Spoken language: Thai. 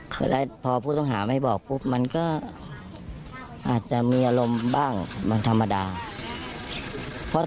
คือแล้วพอผู้ต้องหาไม่บอกปุ๊บมันก็อาจจะมีอารมณ์บ้างมันธรรมดา